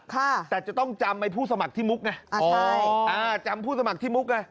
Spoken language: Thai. แต่จะต้องจำไอ้ผู้สมัครที่มุกไงจำผู้สมัครที่มุกไง